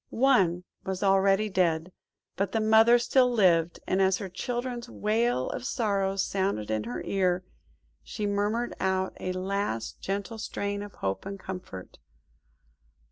One was already dead, but the mother still lived, and as her children's wail of sorrow sounded in her ear, she murmured out a last gentle strain of hope and comfort.